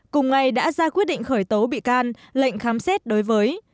cùng ngày đã ra quyết định khởi tố bị can lệnh khám xét đối với